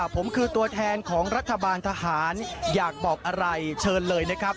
ผมคือตัวแทนของรัฐบาลทหารอยากบอกอะไรเชิญเลยนะครับ